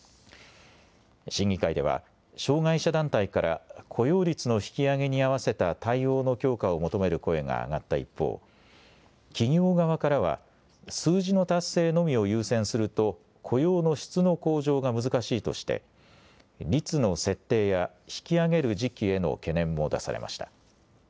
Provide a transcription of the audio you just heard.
審議会では障害者団体から雇用率の引き上げに合わせた対応の強化を求める声が上がった一方、企業側からは数字の達成のみを優先すると雇用の質の向上が難しいとして率の設定や引き上げる時期への懸念も出されました。